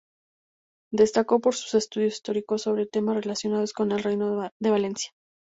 Destacó por sus estudios históricos sobre temas relacionados con el Reino de Valencia.